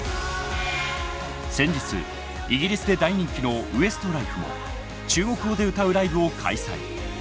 先日イギリスで大人気のＷｅｓｔｌｉｆｅも中国語で歌うライブを開催。